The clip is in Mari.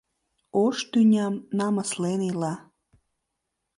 Ош тӱням намыслен ила!